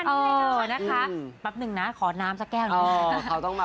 เออนะคะแป๊บหนึ่งนะขอน้ำสักแก้วหนึ่ง